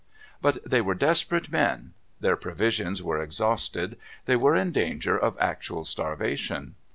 But they were desperate men; their provisions were exhausted; they were in danger of actual starvation.